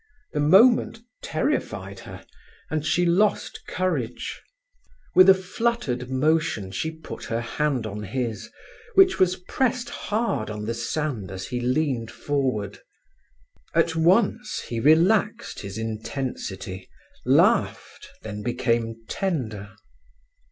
The moment terrified her, and she lost courage. With a fluttered motion she put her hand on his, which was pressed hard on the sand as he leaned forward. At once he relaxed his intensity, laughed, then became tender.